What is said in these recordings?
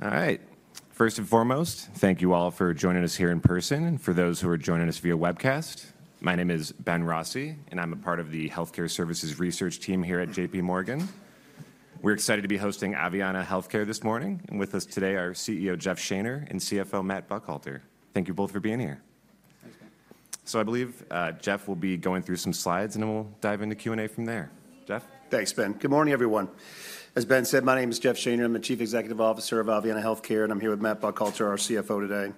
All right. First and foremost, thank you all for joining us here in person. And for those who are joining us via webcast, my name is Ben Rossi, and I'm a part of the Healthcare Services Research Team here at J.P. Morgan. We're excited to be hosting Aveanna Healthcare this morning. And with us today are CEO Jeff Shaner and CFO Matt Buckhalter. Thank you both for being here. Thanks, Ben. So I believe Jeff will be going through some slides, and then we'll dive into Q&A from there. Jeff? Thanks, Ben. Good morning, everyone. As Ben said, my name is Jeff Shaner. I'm the Chief Executive Officer of Aveanna Healthcare, and I'm here with Matt Buckhalter, our CFO, today.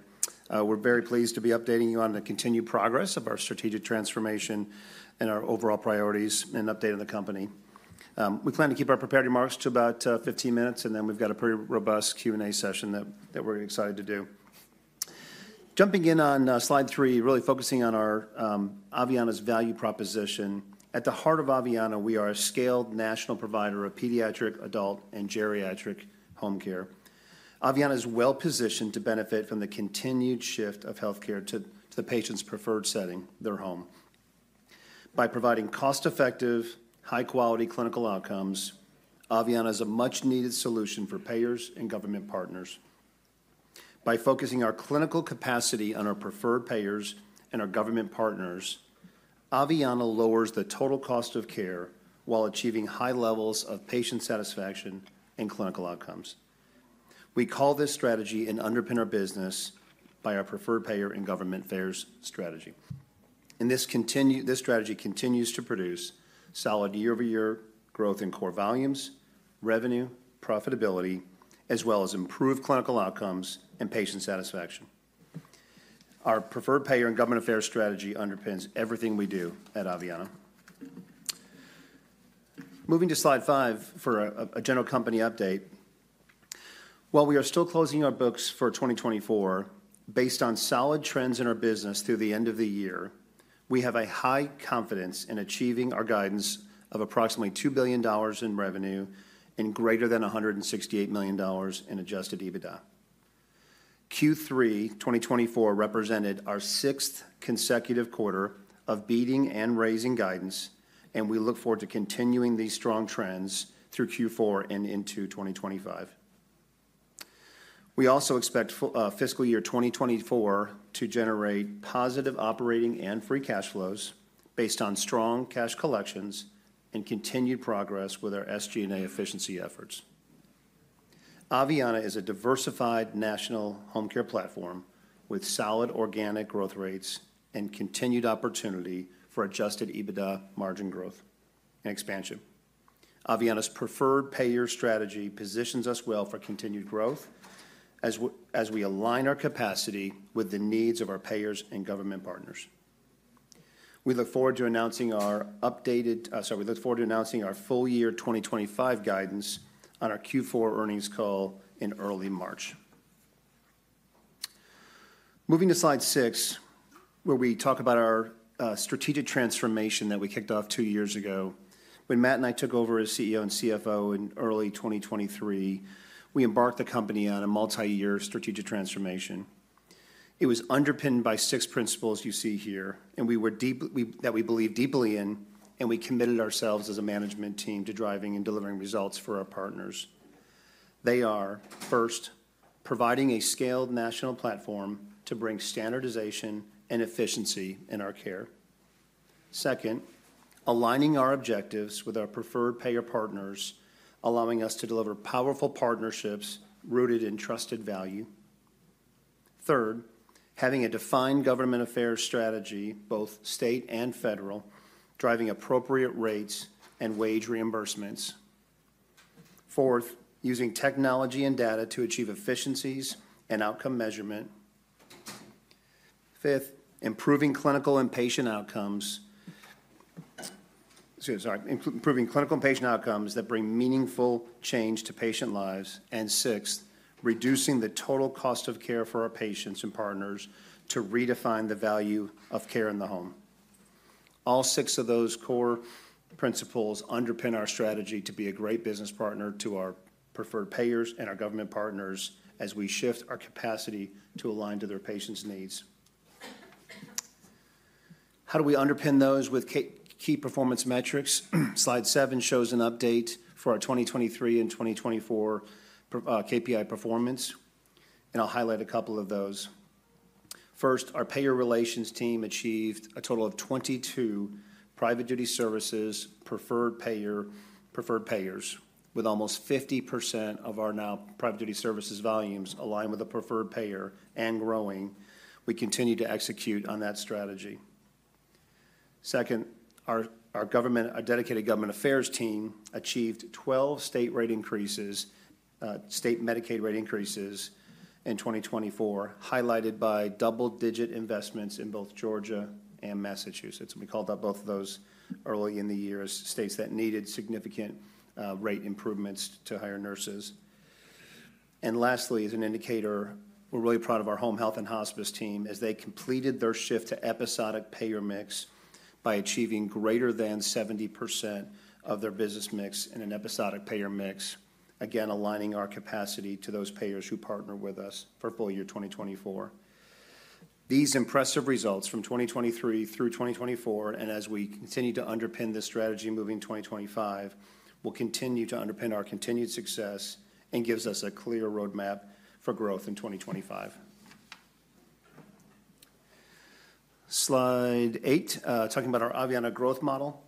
We're very pleased to be updating you on the continued progress of our strategic transformation and our overall priorities and updating the company. We plan to keep our prepared remarks to about 15 minutes, and then we've got a pretty robust Q&A session that we're excited to do. Jumping in on slide three, really focusing on Aveanna's value proposition. At the heart of Aveanna, we are a scaled national provider of pediatric, adult, and geriatric home care. Aveanna is well positioned to benefit from the continued shift of healthcare to the patient's preferred setting, their home. By providing cost-effective, high-quality clinical outcomes, Aveanna is a much-needed solution for payers and government partners. By focusing our clinical capacity on our preferred payers and our government partners, Aveanna lowers the total cost of care while achieving high levels of patient satisfaction and clinical outcomes. We call this strategy an underpinned business by our preferred payer and government affairs strategy. This strategy continues to produce solid year-over-year growth in core volumes, revenue, profitability, as well as improved clinical outcomes and patient satisfaction. Our preferred payer and government affairs strategy underpins everything we do at Aveanna. Moving to slide five for a general company update. While we are still closing our books for 2024, based on solid trends in our business through the end of the year, we have a high confidence in achieving our guidance of approximately $2 billion in revenue and greater than $168 million in adjusted EBITDA. Q3 2024 represented our sixth consecutive quarter of beating and raising guidance, and we look forward to continuing these strong trends through Q4 and into 2025. We also expect fiscal year 2024 to generate positive operating and free cash flows based on strong cash collections and continued progress with our SG&A efficiency efforts. Aveanna is a diversified national home care platform with solid organic growth rates and continued opportunity for Adjusted EBITDA margin growth and expansion. Aveanna's preferred payer strategy positions us well for continued growth as we align our capacity with the needs of our payers and government partners. We look forward to announcing our updated, sorry, we look forward to announcing our full year 2025 guidance on our Q4 earnings call in early March. Moving to slide six, where we talk about our strategic transformation that we kicked off two years ago. When Matt and I took over as CEO and CFO in early 2023, we embarked the company on a multi-year strategic transformation. It was underpinned by six principles you see here, and that we believed deeply in, and we committed ourselves as a management team to driving and delivering results for our partners. They are, first, providing a scaled national platform to bring standardization and efficiency in our care. Second, aligning our objectives with our preferred payer partners, allowing us to deliver powerful partnerships rooted in trusted value. Third, having a defined government affairs strategy, both state and federal, driving appropriate rates and wage reimbursements. Fourth, using technology and data to achieve efficiencies and outcome measurement. Fifth, improving clinical and patient outcomes, sorry, improving clinical and patient outcomes that bring meaningful change to patient lives. and sixth, reducing the total cost of care for our patients and partners to redefine the value of care in the home. All six of those core principles underpin our strategy to be a great business partner to our preferred payers and our government partners as we shift our capacity to align to their patients' needs. How do we underpin those with key performance metrics? Slide seven shows an update for our 2023 and 2024 KPI performance, and I'll highlight a couple of those. First, our payer relations team achieved a total of 22 private duty services preferred payers with almost 50% of our now private duty services volumes aligned with a preferred payer and growing. We continue to execute on that strategy. Second, our dedicated government affairs team achieved 12 state rate increases, state Medicaid rate increases in 2024, highlighted by double-digit investments in both Georgia and Massachusetts. And we called out both of those early in the year as states that needed significant rate improvements to hire nurses. And lastly, as an indicator, we're really proud of our home health and hospice team as they completed their shift to episodic payer mix by achieving greater than 70% of their business mix in an episodic payer mix, again, aligning our capacity to those payers who partner with us for full year 2024. These impressive results from 2023 through 2024, and as we continue to underpin this strategy moving 2025, will continue to underpin our continued success and give us a clear roadmap for growth in 2025. Slide eight, talking about our Aveanna growth model.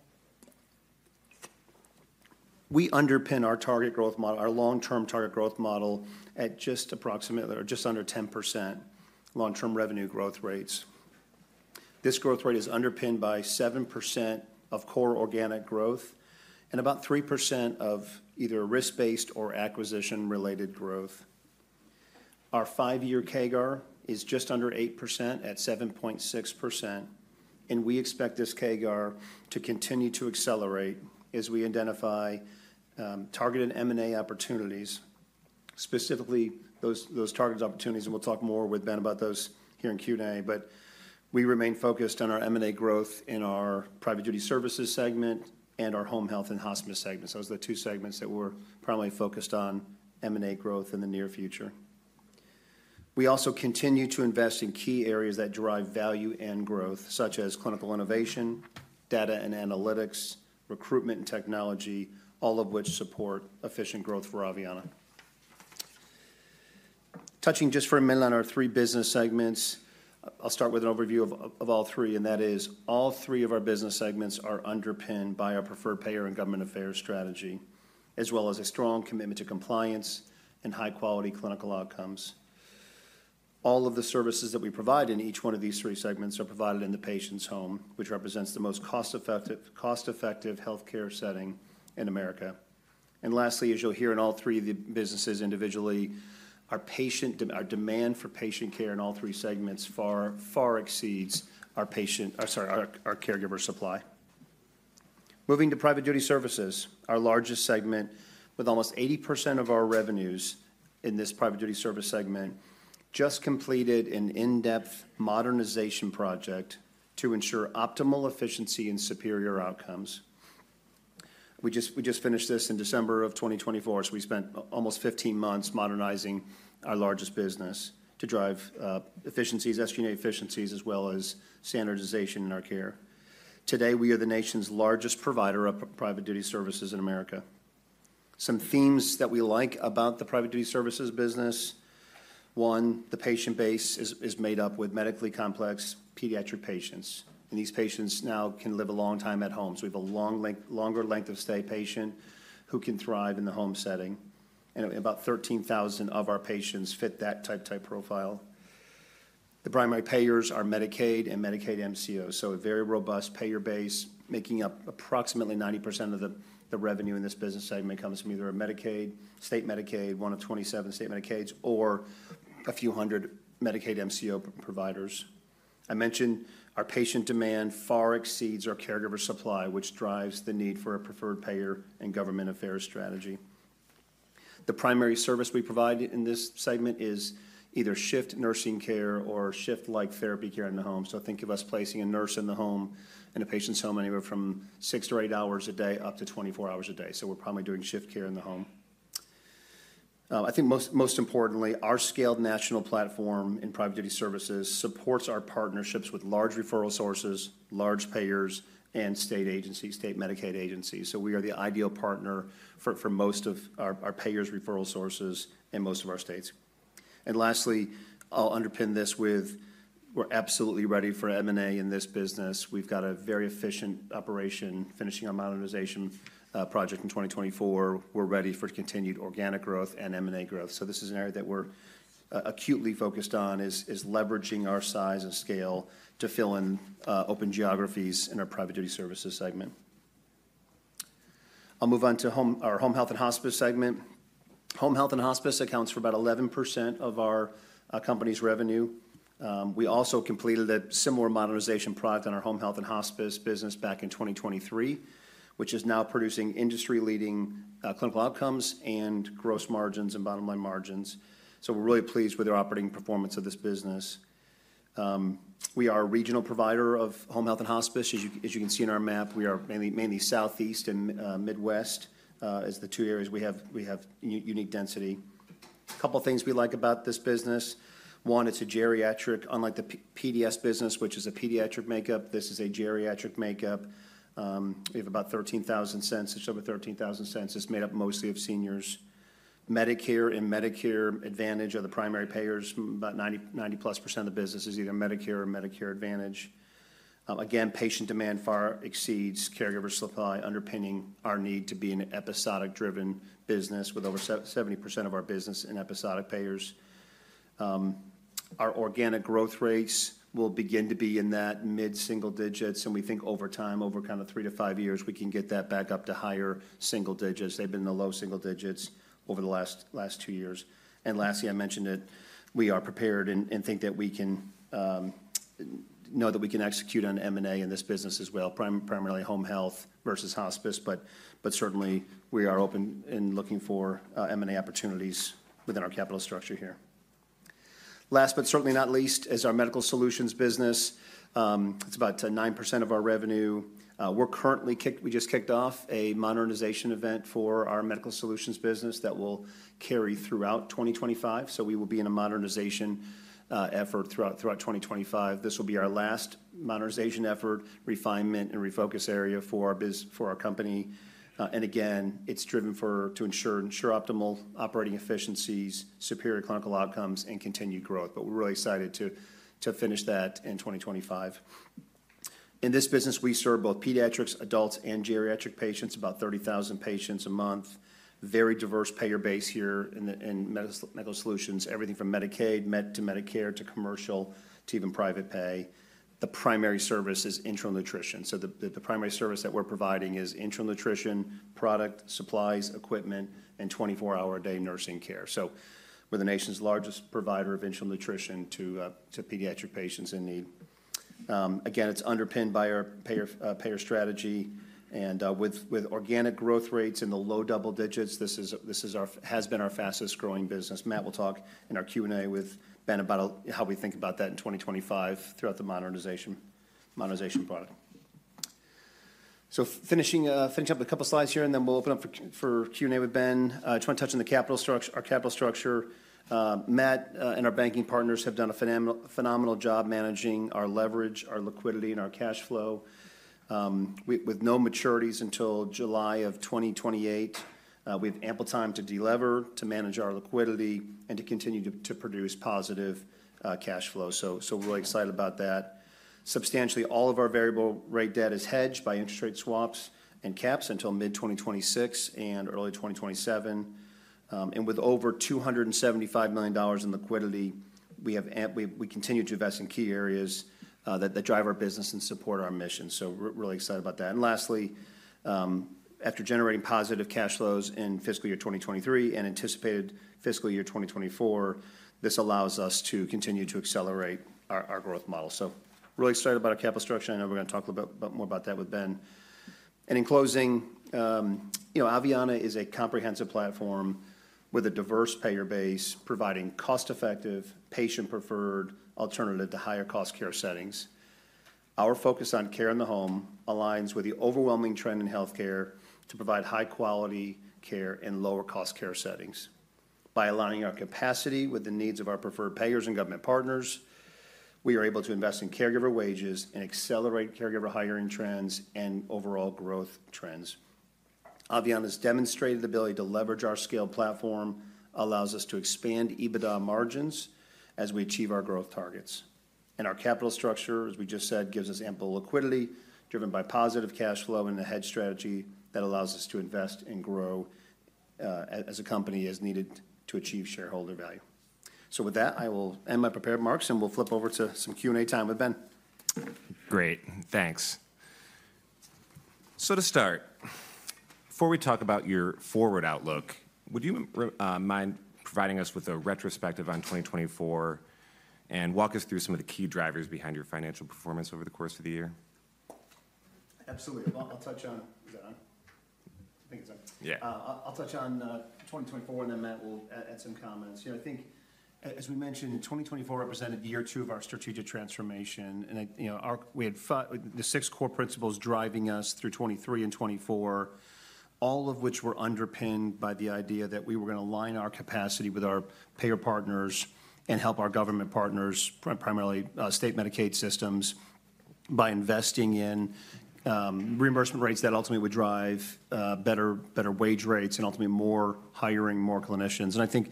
We underpin our target growth model, our long-term target growth model at just approximately or just under 10% long-term revenue growth rates. This growth rate is underpinned by 7% of core organic growth and about 3% of either risk-based or acquisition-related growth. Our five-year CAGR is just under 8% at 7.6%, and we expect this CAGR to continue to accelerate as we identify targeted M&A opportunities, specifically those targeted opportunities, and we'll talk more with Ben about those here in Q&A, but we remain focused on our M&A growth in our private duty services segment and our home health and hospice segments. Those are the two segments that we're primarily focused on M&A growth in the near future. We also continue to invest in key areas that drive value and growth, such as clinical innovation, data and analytics, recruitment and technology, all of which support efficient growth for Aveanna. Touching just for a minute on our three business segments, I'll start with an overview of all three, and that is all three of our business segments are underpinned by our preferred payer and government affairs strategy, as well as a strong commitment to compliance and high-quality clinical outcomes. All of the services that we provide in each one of these three segments are provided in the patient's home, which represents the most cost-effective healthcare setting in America. And lastly, as you'll hear in all three of the businesses individually, our demand for patient care in all three segments far, far exceeds our caregiver supply. Moving to Private Duty Services, our largest segment, with almost 80% of our revenues in this Private Duty Services segment, just completed an in-depth modernization project to ensure optimal efficiency and superior outcomes. We just finished this in December of 2024, so we spent almost 15 months modernizing our largest business to drive efficiencies, SG&A efficiencies, as well as standardization in our care. Today, we are the nation's largest provider of private duty services in America. Some themes that we like about the private duty services business: one, the patient base is made up with medically complex pediatric patients, and these patients now can live a long time at home. So we have a longer length of stay patient who can thrive in the home setting. And about 13,000 of our patients fit that type profile. The primary payers are Medicaid and Medicaid MCO, so a very robust payer base making up approximately 90% of the revenue in this business segment comes from either a Medicaid, state Medicaid, one of 27 state Medicaids, or a few hundred Medicaid MCO providers. I mentioned our patient demand far exceeds our caregiver supply, which drives the need for a preferred payer and government affairs strategy. The primary service we provide in this segment is either shift nursing care or shift-like therapy care in the home. So think of us placing a nurse in the home and a patient's home anywhere from six to eight hours a day up to 24 hours a day. So we're probably doing shift care in the home. I think most importantly, our scaled national platform in private duty services supports our partnerships with large referral sources, large payers, and state agencies, state Medicaid agencies. So we are the ideal partner for most of our payers' referral sources in most of our states, and lastly, I'll underpin this with we're absolutely ready for M&A in this business. We've got a very efficient operation finishing our modernization project in 2024. We're ready for continued organic growth and M&A growth. So this is an area that we're acutely focused on, is leveraging our size and scale to fill in open geographies in our Private Duty Services segment. I'll move on to our Home Health and Hospice segment. Home Health and Hospice accounts for about 11% of our company's revenue. We also completed a similar modernization project on our Home Health and Hospice business back in 2023, which is now producing industry-leading clinical outcomes and gross margins and bottom-line margins. So we're really pleased with our operating performance of this business. We are a regional provider of Home Health and Hospice, as you can see in our map. We are mainly Southeast and Midwest as the two areas we have unique density. A couple of things we like about this business. One, it's geriatric, unlike the PDS business, which is a pediatric makeup. This is a geriatric makeup. We have about 13,000 patients, just over 13,000 patients. It's made up mostly of seniors. Medicare and Medicare Advantage are the primary payers. About 90%+ of the business is either Medicare or Medicare Advantage. Again, patient demand far exceeds caregiver supply, underpinning our need to be an episodic-driven business with over 70% of our business in episodic payers. Our organic growth rates will begin to be in that mid-single digits, and we think over time, over kind of three to five years, we can get that back up to higher single digits. They've been in the low single digits over the last two years. Lastly, I mentioned it, we are prepared and think that we can know that we can execute on M&A in this business as well, primarily Home Health versus Hospice, but certainly we are open and looking for M&A opportunities within our capital structure here. Last but certainly not least is our Medical Solutions business. It's about 9% of our revenue. We just kicked off a modernization event for our Medical Solutions business that will carry throughout 2025, so we will be in a modernization effort throughout 2025. This will be our last modernization effort, refinement and refocus area for our company, and again, it's driven to ensure optimal operating efficiencies, superior clinical outcomes, and continued growth, but we're really excited to finish that in 2025. In this business, we serve both pediatrics, adults, and geriatric patients, about 30,000 patients a month. Very diverse payer base here in Medical Solutions, everything from Medicaid, Medi-Cal to Medicare, to commercial, to even private pay. The primary service is enteral nutrition. So the primary service that we're providing is enteral nutrition, product supplies, equipment, and 24-hour-a-day nursing care. So we're the nation's largest provider of enteral nutrition to pediatric patients in need. Again, it's underpinned by our payer strategy. And with organic growth rates in the low double digits, this has been our fastest-growing business. Matt will talk in our Q&A with Ben about how we think about that in 2025 throughout the modernization product. So finishing up a couple of slides here, and then we'll open up for Q&A with Ben. I just want to touch on our capital structure. Matt and our banking partners have done a phenomenal job managing our leverage, our liquidity, and our cash flow. With no maturities until July of 2028, we have ample time to deliver, to manage our liquidity, and to continue to produce positive cash flow, so we're really excited about that. Substantially, all of our variable-rate debt is hedged by interest rate swaps and caps until mid-2026 and early 2027, and with over $275 million in liquidity, we continue to invest in key areas that drive our business and support our mission, so we're really excited about that, and lastly, after generating positive cash flows in fiscal year 2023 and anticipated fiscal year 2024, this allows us to continue to accelerate our growth model, so really excited about our capital structure. I know we're going to talk a bit more about that with Ben, and in closing, Aveanna is a comprehensive platform with a diverse payer base, providing cost-effective, patient-preferred alternative to higher-cost care settings. Our focus on care in the home aligns with the overwhelming trend in healthcare to provide high-quality care in lower-cost care settings. By aligning our capacity with the needs of our preferred payers and government partners, we are able to invest in caregiver wages and accelerate caregiver hiring trends and overall growth trends. Aveanna's demonstrated ability to leverage our scaled platform allows us to expand EBITDA margins as we achieve our growth targets. And our capital structure, as we just said, gives us ample liquidity driven by positive cash flow and a hedge strategy that allows us to invest and grow as a company as needed to achieve shareholder value. So with that, I will end my prepared remarks, and we'll flip over to some Q&A time with Ben. Great. Thanks. So to start, before we talk about your forward outlook, would you mind providing us with a retrospective on 2024 and walk us through some of the key drivers behind your financial performance over the course of the year? Absolutely. I'll touch on 2024, and then Matt will add some comments. I think, as we mentioned, 2024 represented year two of our strategic transformation. And we had the six core principles driving us through 2023 and 2024, all of which were underpinned by the idea that we were going to align our capacity with our payer partners and help our government partners, primarily state Medicaid systems, by investing in reimbursement rates that ultimately would drive better wage rates and ultimately more hiring, more clinicians. And I think,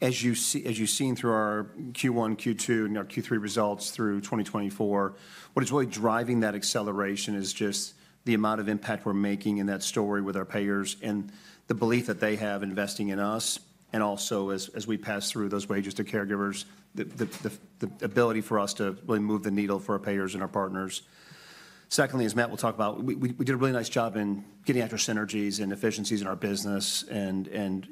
as you've seen through our Q1, Q2, and our Q3 results through 2024, what is really driving that acceleration is just the amount of impact we're making in that story with our payers and the belief that they have investing in us. And also, as we pass through those wages to caregivers, the ability for us to really move the needle for our payers and our partners. Secondly, as Matt will talk about, we did a really nice job in getting after synergies and efficiencies in our business and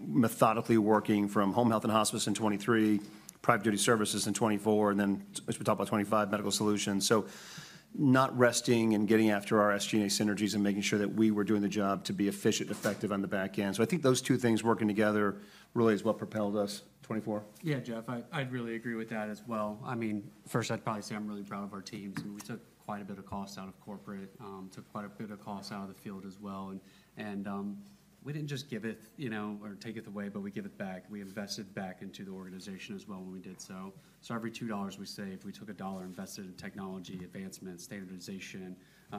methodically working from home health and hospice in 2023, private duty services in 2024, and then, as we talked about 2025, medical solutions. So not resting and getting after our SG&A synergies and making sure that we were doing the job to be efficient, effective on the back end. So I think those two things working together really is what propelled us 2024. Yeah, Jeff, I'd really agree with that as well. I mean, first, I'd probably say I'm really proud of our teams. I mean, we took quite a bit of cost out of corporate, took quite a bit of cost out of the field as well. And we didn't just give it or take it away, but we give it back. We invested back into the organization as well when we did so. So every $2 we save, we took $1 invested in technology advancement, standardization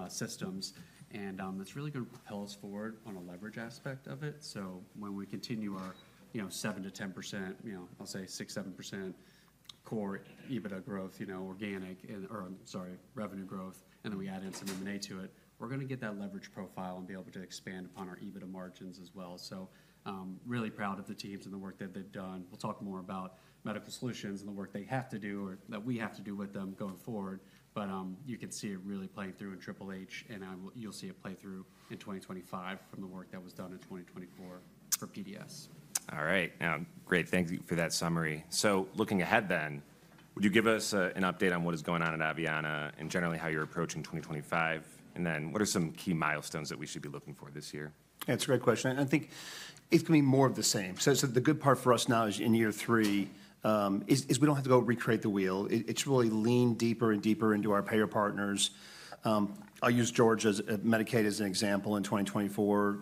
systems. And that's really going to propel us forward on a leverage aspect of it. So when we continue our 7%-10%, I'll say 6%-7% core EBITDA growth, organic, or sorry, revenue growth, and then we add in some M&A to it, we're going to get that leverage profile and be able to expand upon our EBITDA margins as well. So really proud of the teams and the work that they've done. We'll talk more about Medical Solutions and the work they have to do or that we have to do with them going forward. But you can see it really playing through in HHH, and you'll see it play through in 2025 from the work that was done in 2024 for PDS. All right. Great. Thank you for that summary. So looking ahead then, would you give us an update on what is going on at Aveanna and generally how you're approaching 2025? And then what are some key milestones that we should be looking for this year? That's a great question. And I think it's going to be more of the same. So the good part for us now is in year three is we don't have to go recreate the wheel. It's really lean deeper and deeper into our payer partners. I'll use Medicaid as an example in 2024.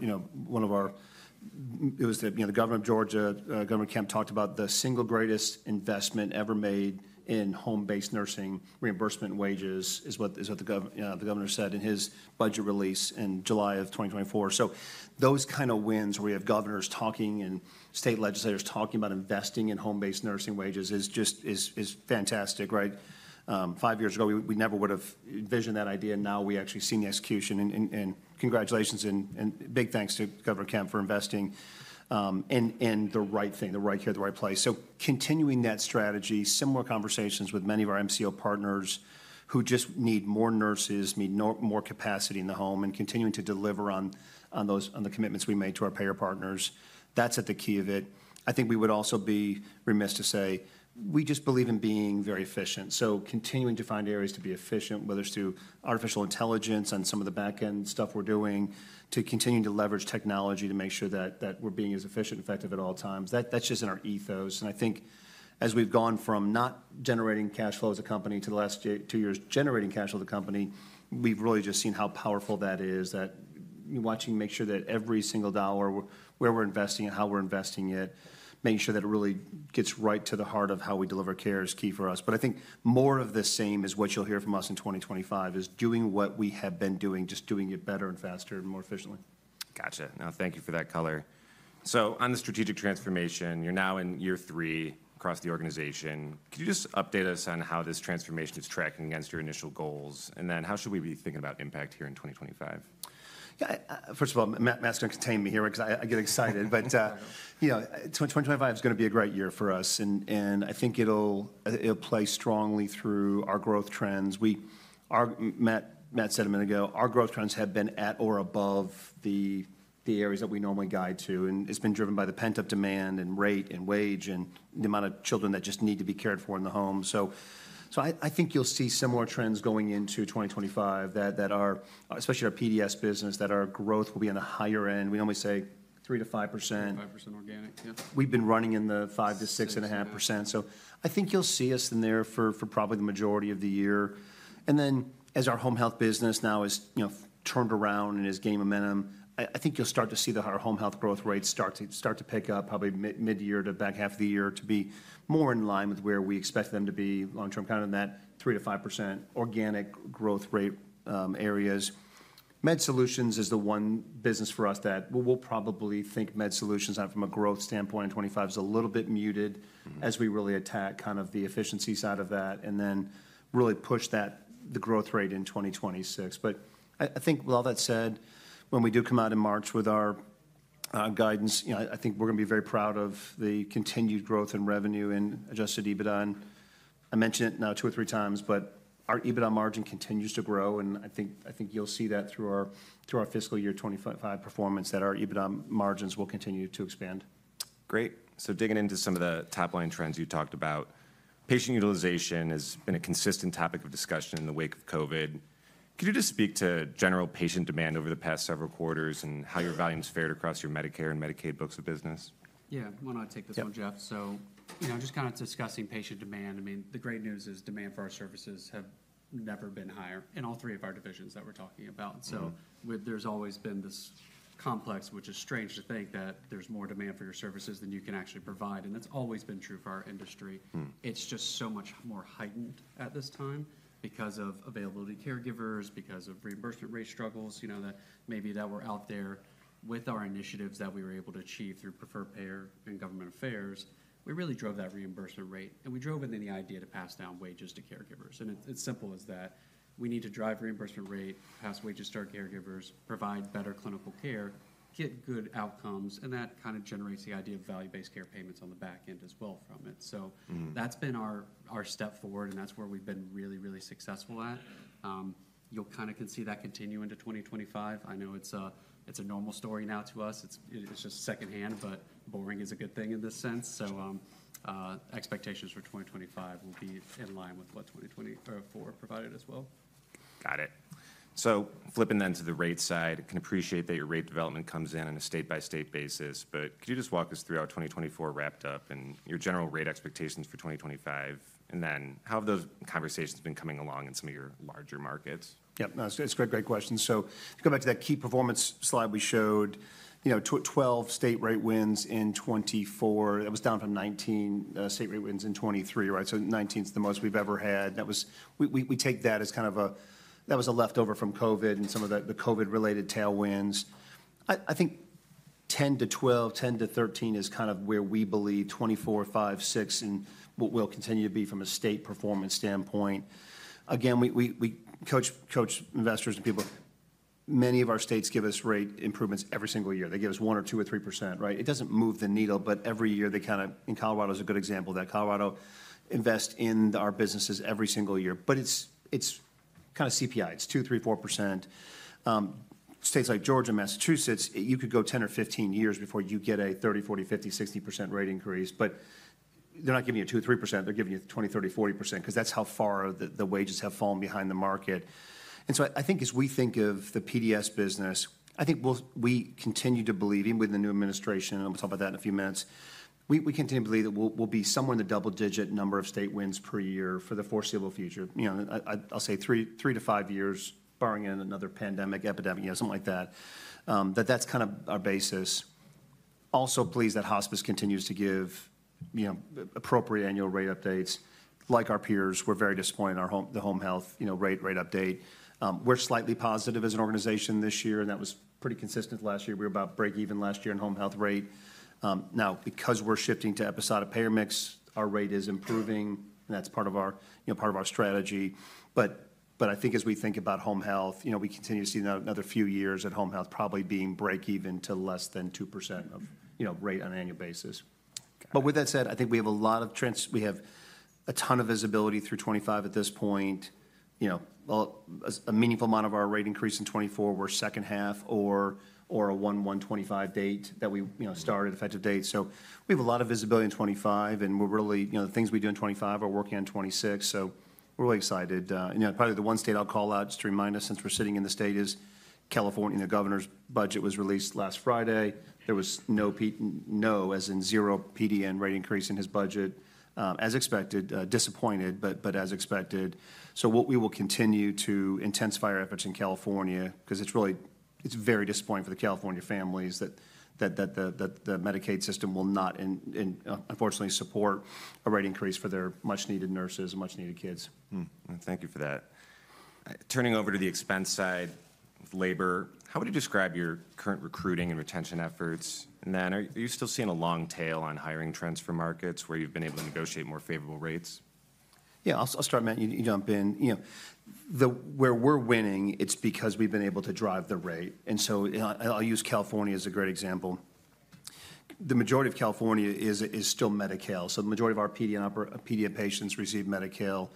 One of our it was the Governor of Georgia, Governor Kemp, talked about the single greatest investment ever made in home-based nursing reimbursement wages is what the governor said in his budget release in July of 2024. So those kind of wins where we have governors talking and state legislators talking about investing in home-based nursing wages is fantastic, right? Five years ago, we never would have envisioned that idea. Now we actually see the execution. Congratulations and big thanks to Governor Kemp for investing in the right thing, the right care, the right place. Continuing that strategy, similar conversations with many of our MCO partners who just need more nurses, need more capacity in the home, and continuing to deliver on the commitments we made to our payer partners. That's at the key of it. I think we would also be remiss to say we just believe in being very efficient. Continuing to find areas to be efficient, whether it's through artificial intelligence on some of the back-end stuff we're doing, to continuing to leverage technology to make sure that we're being as efficient and effective at all times. That's just in our ethos. I think as we've gone from not generating cash flow as a company to the last two years generating cash flow as a company, we've really just seen how powerful that is, that watching make sure that every single dollar, where we're investing and how we're investing it, making sure that it really gets right to the heart of how we deliver care is key for us. But I think more of the same is what you'll hear from us in 2025, is doing what we have been doing, just doing it better and faster and more efficiently. Gotcha. No, thank you for that color. On the strategic transformation, you're now in year three across the organization. Could you just update us on how this transformation is tracking against your initial goals? And then how should we be thinking about impact here in 2025? First of all, Matt's going to contain me here because I get excited, but 2025 is going to be a great year for us, and I think it'll play strongly through our growth trends. Matt said a minute ago, our growth trends have been at or above the areas that we normally guide to, and it's been driven by the pent-up demand and rate and wage and the amount of children that just need to be cared for in the home, so I think you'll see similar trends going into 2025, especially our PDS business, that our growth will be on the higher end. We normally say 3%-5%. 3%-5% organic, yeah. We've been running in the 5%-6.5%. So I think you'll see us in there for probably the majority of the year. And then as our home health business now is turned around and is gaining momentum, I think you'll start to see our home health growth rates start to pick up, probably mid-year to back half of the year, to be more in line with where we expect them to be long-term, kind of in that 3%-5% organic growth rate area. Medical Solutions is the one business for us that we'll probably think Medical Solutions on from a growth standpoint in 2025 is a little bit muted as we really attack kind of the efficiency side of that and then really push the growth rate in 2026. But I think with all that said, when we do come out in March with our guidance, I think we're going to be very proud of the continued growth in revenue and adjusted EBITDA. I mentioned it now two or three times, but our EBITDA margin continues to grow. I think you'll see that through our fiscal year 2025 performance that our EBITDA margins will continue to expand. Great. Digging into some of the top-line trends you talked about, patient utilization has been a consistent topic of discussion in the wake of COVID. Could you just speak to general patient demand over the past several quarters and how your volumes fared across your Medicare and Medicaid books of business? Yeah, why don't I take this one, Jeff? Just kind of discussing patient demand, I mean, the great news is demand for our services have never been higher in all three of our divisions that we're talking about. There's always been this conundrum, which is strange to think, that there's more demand for your services than you can actually provide. And that's always been true for our industry. It's just so much more heightened at this time because of availability of caregivers, because of reimbursement rate struggles that maybe that were out there with our initiatives that we were able to achieve through preferred payer and government affairs. We really drove that reimbursement rate. And we drove it in the idea to pass down wages to caregivers. And it's simple as that. We need to drive reimbursement rate, pass wages to our caregivers, provide better clinical care, get good outcomes. And that kind of generates the idea of value-based care payments on the back end as well from it. So that's been our step forward, and that's where we've been really, really successful at. You'll kind of can see that continue into 2025. I know it's a normal story now to us. It's just secondhand, but boring is a good thing in this sense, so expectations for 2025 will be in line with what 2024 provided as well. Got it. So flipping then to the rate side, I can appreciate that your rate development comes in on a state-by-state basis, but could you just walk us through how 2024 wrapped up and your general rate expectations for 2025? And then how have those conversations been coming along in some of your larger markets? Yep. That's a great, great question, so if you go back to that key performance slide we showed, 12 state rate wins in 2024. That was down from 19 state rate wins in 2023, right? So 19 is the most we've ever had. We take that as kind of a that was a leftover from COVID and some of the COVID-related tailwinds. I think 10 to 12, 10 to 13 is kind of where we believe 2024, 2025, 2026, and what will continue to be from a state performance standpoint. Again, we coach investors and people. Many of our states give us rate improvements every single year. They give us 1 or 2 or 3%, right? It doesn't move the needle, but every year they kind of, in Colorado, is a good example of that. Colorado invests in our businesses every single year. But it's kind of CPI. It's 2, 3, 4%. States like Georgia and Massachusetts, you could go 10 or 15 years before you get a 30, 40, 50, 60% rate increase. But they're not giving you 2, 3%. They're giving you 20, 30, 40% because that's how far the wages have fallen behind the market. And so I think as we think of the PDS business, I think we continue to believe, even with the new administration, and we'll talk about that in a few minutes, we continue to believe that we'll be somewhere in the double-digit number of state wins per year for the foreseeable future. I'll say three to five years, barring another pandemic epidemic, something like that, that that's kind of our basis. Also believes that hospice continues to give appropriate annual rate updates. Like our peers, we're very disappointed in the home health rate update. We're slightly positive as an organization this year, and that was pretty consistent last year. We were about break-even last year in home health rate. Now, because we're shifting to episodic payer mix, our rate is improving, and that's part of our strategy. I think as we think about home health, we continue to see another few years at home health probably being break-even to less than 2% rate on an annual basis. With that said, I think we have a ton of visibility through 2025 at this point. A meaningful amount of our rate increase in 2024, we're second half or a January 1, 2025 date that we started, effective date. We have a lot of visibility in 2025, and the things we do in 2025 are working in 2026. We're really excited. Probably the one state I'll call out just to remind us since we're sitting in the state is California. The governor's budget was released last Friday. There was no PDS, no as in zero PDN rate increase in his budget. As expected, disappointed, but as expected. We will continue to intensify our efforts in California because it's very disappointing for the California families that the Medicaid system will not, unfortunately, support a rate increase for their much-needed nurses and much-needed kids. Thank you for that. Turning over to the expense side with labor, how would you describe your current recruiting and retention efforts? And then are you still seeing a long tail on hiring trends for markets where you've been able to negotiate more favorable rates? Yeah, I'll start, Matt. You jump in. Where we're winning, it's because we've been able to drive the rate, and so I'll use California as a great example. The majority of California is still Medi-Cal. So the majority of our PDN patients receive Medi-Cal,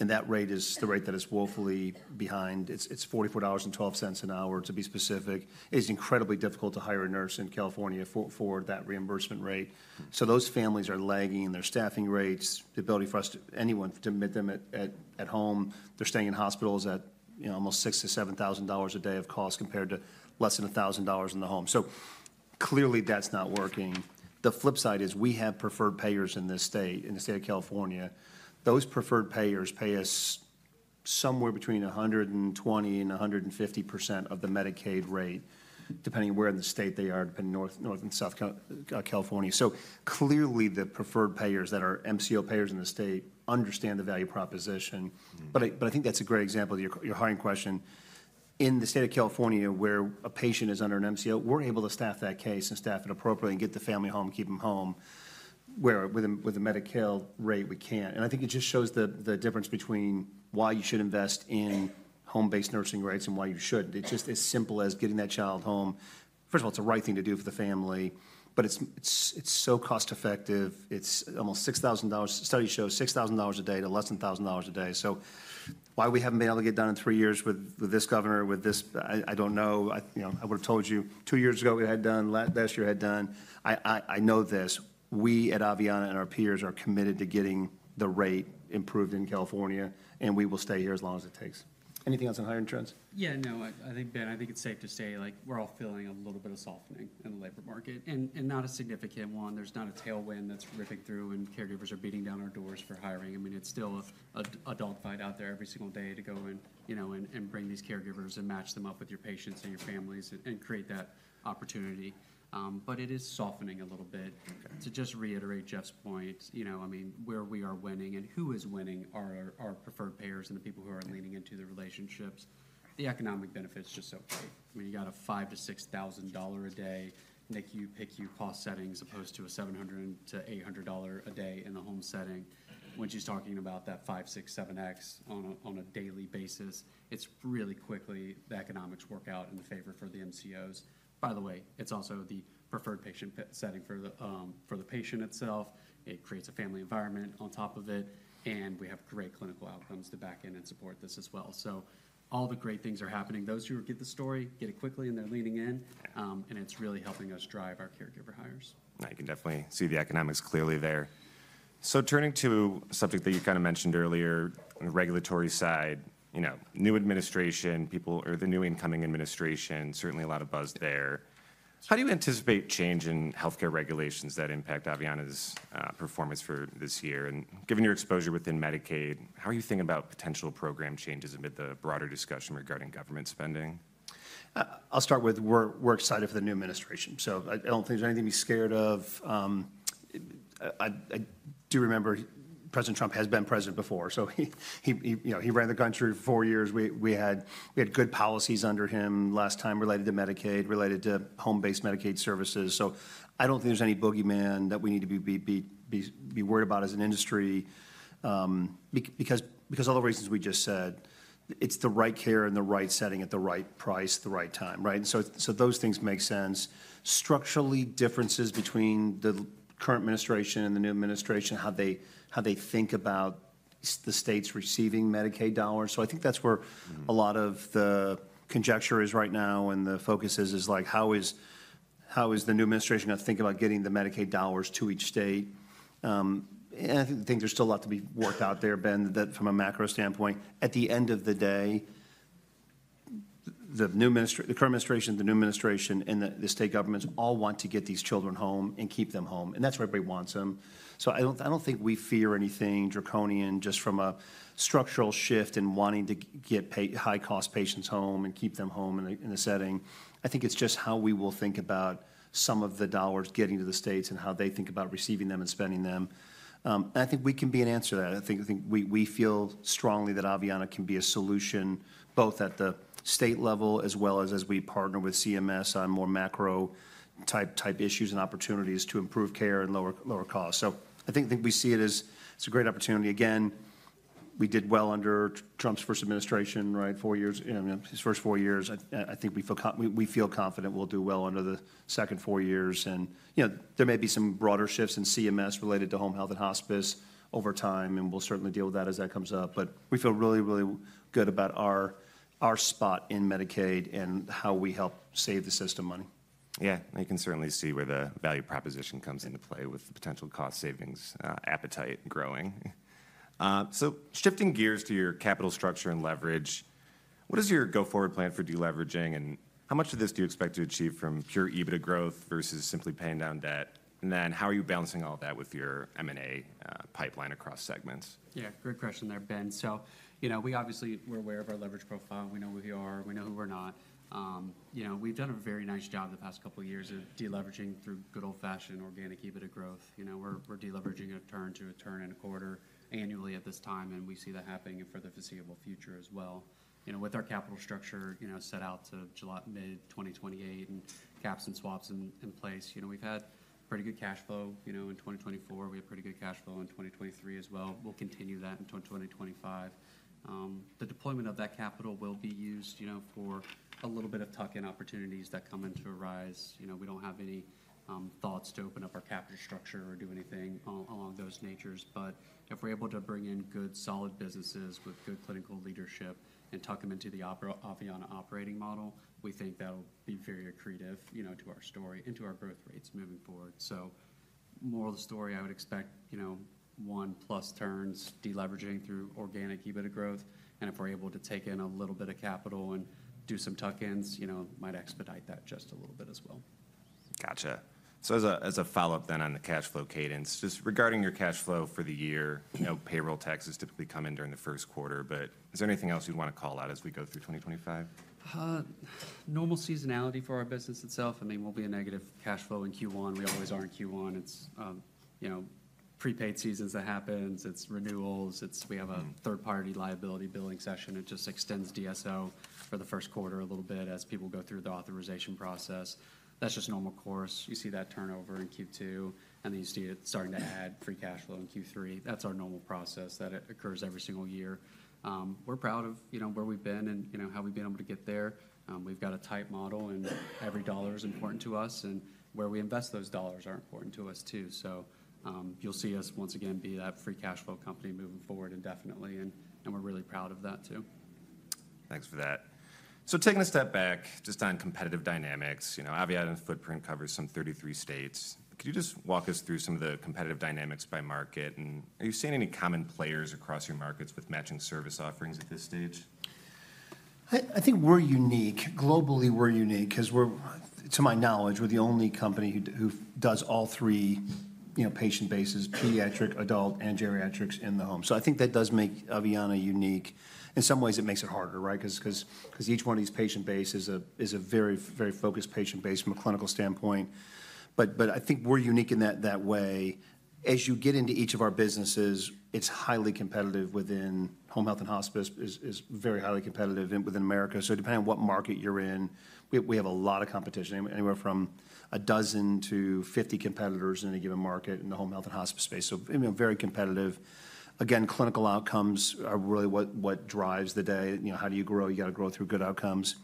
and that rate is the rate that is woefully behind. It's $44.12 an hour, to be specific. It's incredibly difficult to hire a nurse in California for that reimbursement rate. So those families are lagging in their staffing rates, the ability for us, anyone to admit them at home. They're staying in hospitals at almost $6,000-$7,000 a day of cost compared to less than $1,000 in the home. So clearly, that's not working. The flip side is we have preferred payers in this state, in the state of California. Those preferred payers pay us somewhere between 120%-150% of the Medicaid rate, depending where in the state they are, depending north and south California. So clearly, the preferred payers that are MCO payers in the state understand the value proposition. But I think that's a great example of your hiring question. In the state of California, where a patient is under an MCO, we're able to staff that case and staff it appropriately and get the family home, keep them home. With the Medi-Cal rate, we can't. And I think it just shows the difference between why you should invest in home-based nursing rates and why you shouldn't. It's just as simple as getting that child home. First of all, it's the right thing to do for the family, but it's so cost-effective. It's almost $6,000. Studies show $6,000 a day to less than $1,000 a day. So why we haven't been able to get done in three years with this governor, with this, I don't know. I would have told you two years ago we had done, last year had done. I know this. We at Aveanna and our peers are committed to getting the rate improved in California, and we will stay here as long as it takes. Anything else on hiring trends? Yeah, no, I think, Ben, I think it's safe to say we're all feeling a little bit of softening in the labor market, and not a significant one. There's not a tailwind that's ripping through, and caregivers are beating down our doors for hiring. I mean, it's still a dogfight out there every single day to go and bring these caregivers and match them up with your patients and your families and create that opportunity. But it is softening a little bit. To just reiterate Jeff's point, I mean, where we are winning and who is winning are our preferred payers and the people who are leaning into the relationships. The economic benefit is just so great. I mean, you got a $5,000-$6,000 a day NICU, PICU cost setting as opposed to a $700-$800 a day in the home setting. When she's talking about that 5, 6, 7x on a daily basis, it's really quickly the economics work out in favor for the MCOs. By the way, it's also the preferred patient setting for the patient itself. It creates a family environment on top of it, and we have great clinical outcomes to back in and support this as well. So all the great things are happening. Those who get the story, get it quickly, and they're leaning in, and it's really helping us drive our caregiver hires. I can definitely see the economics clearly there. Turning to a subject that you kind of mentioned earlier, the regulatory side, new administration, people or the new incoming administration, certainly a lot of buzz there. How do you anticipate change in healthcare regulations that impact Aveanna's performance for this year? And given your exposure within Medicaid, how are you thinking about potential program changes amid the broader discussion regarding government spending? I'll start with we're excited for the new administration. So I don't think there's anything to be scared of. I do remember President Trump has been president before. So he ran the country for four years. We had good policies under him last time related to Medicaid, related to home-based Medicaid services. I don't think there's any boogeyman that we need to be worried about as an industry because all the reasons we just said, it's the right care in the right setting at the right price, the right time, right? Those things make sense. Structurally, differences between the current administration and the new administration, how they think about the states receiving Medicaid dollars. I think that's where a lot of the conjecture is right now and the focus is how is the new administration going to think about getting the Medicaid dollars to each state? I think there's still a lot to be worked out there, Ben, from a macro standpoint. At the end of the day, the current administration, the new administration, and the state governments all want to get these children home and keep them home. That's where everybody wants them. So, I don't think we fear anything draconian just from a structural shift in wanting to get high-cost patients home and keep them home in a setting. I think it's just how we will think about some of the dollars getting to the states and how they think about receiving them and spending them. And I think we can be an answer to that. I think we feel strongly that Aveanna can be a solution both at the state level as well as we partner with CMS on more macro-type issues and opportunities to improve care and lower costs. So I think we see it as it's a great opportunity. Again, we did well under Trump's first administration, right? Four years, his first four years. I think we feel confident we'll do well under the second four years. And there may be some broader shifts in CMS related to home health and hospice over time, and we'll certainly deal with that as that comes up. But we feel really, really good about our spot in Medicaid and how we help save the system money. Yeah, you can certainly see where the value proposition comes into play with the potential cost savings appetite growing. So shifting gears to your capital structure and leverage, what is your go-forward plan for deleveraging? And how much of this do you expect to achieve from pure EBITDA growth versus simply paying down debt? And then how are you balancing all that with your M&A pipeline across segments? Yeah, great question there, Ben. So we obviously were aware of our leverage profile. We know who we are. We know who we're not. We've done a very nice job the past couple of years of deleveraging through good old-fashioned organic EBITDA growth. We're deleveraging a turn to a turn and a quarter annually at this time, and we see that happening in the foreseeable future as well. With our capital structure set out to mid-2028 and caps and swaps in place, we've had pretty good cash flow in 2024. We have pretty good cash flow in 2023 as well. We'll continue that in 2025. The deployment of that capital will be used for a little bit of tuck-in opportunities that arise. We don't have any thoughts to open up our capital structure or do anything of that nature. If we're able to bring in good, solid businesses with good clinical leadership and tuck them into the Aveanna operating model, we think that'll be very accretive to our story and to our growth rates moving forward. So more of the story, I would expect one-plus turns deleveraging through organic EBITDA growth. And if we're able to take in a little bit of capital and do some tuck-ins, might expedite that just a little bit as well. Gotcha. So as a follow-up then on the cash flow cadence, just regarding your cash flow for the year, payroll taxes typically come in during the first quarter, but is there anything else you'd want to call out as we go through 2025? Normal seasonality for our business itself. I mean, we'll be a negative cash flow in Q1. We always are in Q1. It's prepaid seasons that happen. It's renewals. We have a third-party liability billing session. It just extends DSO for the first quarter a little bit as people go through the authorization process. That's just normal course. You see that turnover in Q2, and then you see it starting to add free cash flow in Q3. That's our normal process that occurs every single year. We're proud of where we've been and how we've been able to get there. We've got a tight model, and every dollar is important to us, and where we invest those dollars are important to us too. So you'll see us, once again, be that free cash flow company moving forward indefinitely, and we're really proud of that too. Thanks for that. So taking a step back just on competitive dynamics, Aveanna's footprint covers some 33 states. Could you just walk us through some of the competitive dynamics by market? Are you seeing any common players across your markets with matching service offerings at this stage? I think we're unique. Globally, we're unique because, to my knowledge, we're the only company who does all three patient bases: pediatric, adult, and geriatrics in the home. So I think that does make Aveanna unique. In some ways, it makes it harder, right? Because each one of these patient bases is a very, very focused patient base from a clinical standpoint. But I think we're unique in that way. As you get into each of our businesses, it's highly competitive within home health and hospice, is very highly competitive within America. So depending on what market you're in, we have a lot of competition, anywhere from a dozen to 50 competitors in any given market in the home health and hospice space. So very competitive. Again, clinical outcomes are really what drives the day. How do you grow? You got to grow through good outcomes.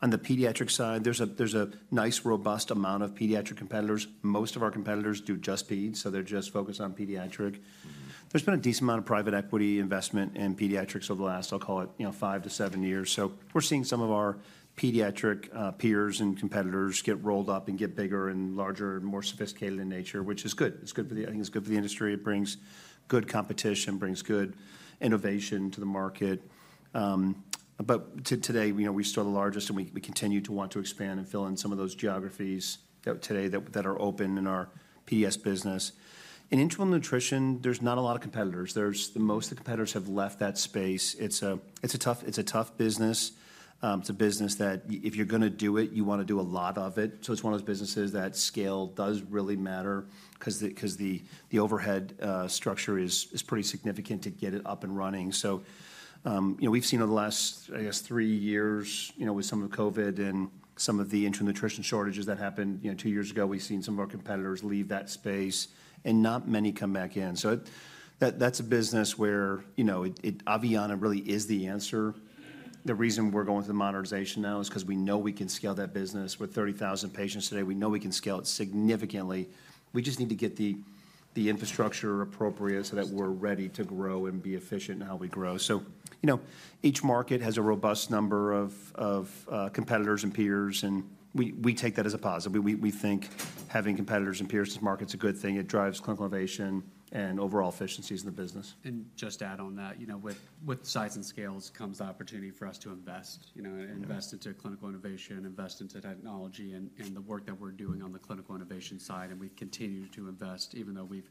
On the pediatric side, there's a nice robust amount of pediatric competitors. Most of our competitors do just peds, so they're just focused on pediatric. There's been a decent amount of private equity investment in pediatrics over the last, I'll call it, five to seven years. So we're seeing some of our pediatric peers and competitors get rolled up and get bigger and larger and more sophisticated in nature, which is good. I think it's good for the industry. It brings good competition, brings good innovation to the market. But today, we still are the largest, and we continue to want to expand and fill in some of those geographies today that are open in our PDS business. In enteral nutrition, there's not a lot of competitors. Most of the competitors have left that space. It's a tough business. It's a business that if you're going to do it, you want to do a lot of it. So it's one of those businesses that scale does really matter because the overhead structure is pretty significant to get it up and running. So we've seen over the last, I guess, three years with some of the COVID and some of the enteral nutrition shortages that happened two years ago, we've seen some of our competitors leave that space and not many come back in. So that's a business where Aveanna really is the answer. The reason we're going through the modernization now is because we know we can scale that business. We're 30,000 patients today. We know we can scale it significantly. We just need to get the infrastructure appropriate so that we're ready to grow and be efficient in how we grow. So each market has a robust number of competitors and peers, and we take that as a positive. We think having competitors and peers in this market is a good thing. It drives clinical innovation and overall efficiencies in the business. And just add on that, with size and scales comes the opportunity for us to invest, invest into clinical innovation, invest into technology and the work that we're doing on the clinical innovation side. And we continue to invest even though we've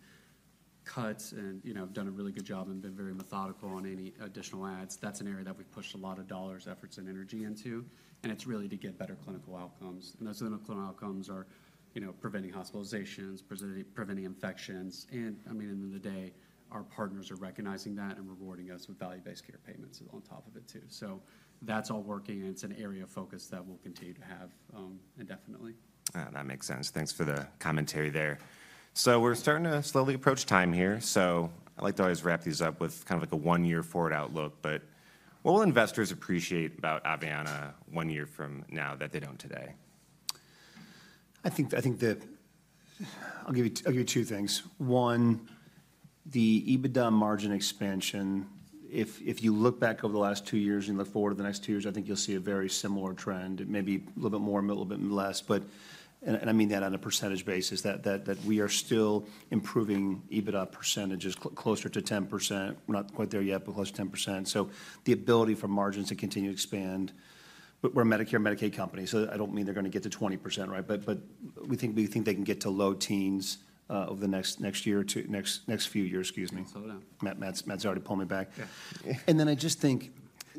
cut and done a really good job and been very methodical on any additional adds. That's an area that we've pushed a lot of dollars, efforts, and energy into. And it's really to get better clinical outcomes. And those clinical outcomes are preventing hospitalizations, preventing infections. I mean, at the end of the day, our partners are recognizing that and rewarding us with value-based care payments on top of it too. So that's all working, and it's an area of focus that we'll continue to have indefinitely. That makes sense. Thanks for the commentary there. So we're starting to slowly approach time here. So I'd like to always wrap these up with kind of like a one-year forward outlook. But what will investors appreciate about Aveanna one year from now that they don't today? I think I'll give you two things. One, the EBITDA margin expansion, if you look back over the last two years and look forward to the next two years, I think you'll see a very similar trend, maybe a little bit more, a little bit less. I mean that on a percentage basis, that we are still improving EBITDA percentages closer to 10%. We're not quite there yet, but close to 10%. The ability for margins to continue to expand. We're a Medicare and Medicaid company, so I don't mean they're going to get to 20%, right? We think they can get to low teens over the next few years, excuse me. That's already pulling me back. I just think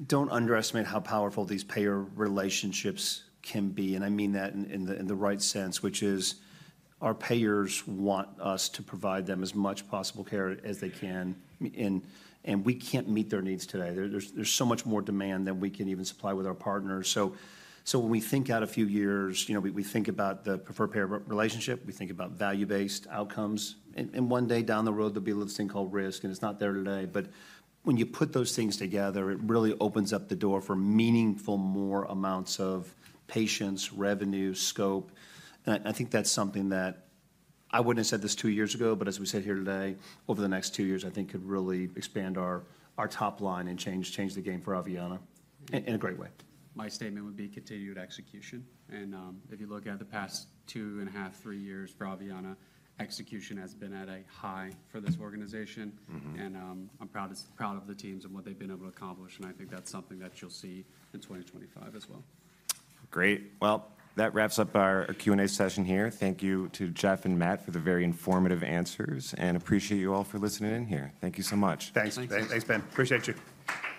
don't underestimate how powerful these payer relationships can be. I mean that in the right sense, which is our payers want us to provide them as much as possible care as they can, and we can't meet their needs today. There's so much more demand than we can even supply with our partners. When we think out a few years, we think about the preferred payer relationship. We think about value-based outcomes. And one day down the road, there'll be this thing called risk, and it's not there today. But when you put those things together, it really opens up the door for meaningful more amounts of patients, revenue, scope. And I think that's something that I wouldn't have said this two years ago, but as we sit here today, over the next two years, I think could really expand our top line and change the game for Aveanna in a great way. My statement would be continued execution. And if you look at the past two and a half, three years for Aveanna, execution has been at a high for this organization. And I'm proud of the teams and what they've been able to accomplish. And I think that's something that you'll see in 2025 as well. Great. Well, that wraps up our Q&A session here. Thank you to Jeff and Matt for the very informative answers, and appreciate you all for listening in here. Thank you so much. Thanks. Thanks, Ben. Appreciate you.